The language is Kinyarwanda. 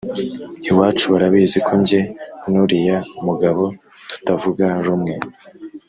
iwacu barabizi ko njye nuriya mu gabo tutavuga rumwe